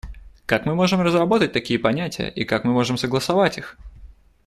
Как мы можем разработать такие понятия, и как мы можем согласовать их?